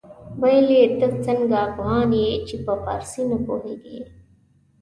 ويل يې ته څنګه افغان يې چې په فارسي نه پوهېږې.